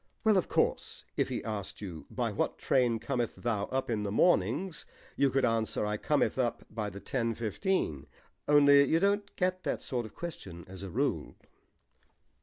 "Well, of course, if he asked you, 'By what train cometh thou up in the mornings?' you could answer, 'I cometh up by the ten fifteen.' Only you don't get that sort of question as a rule."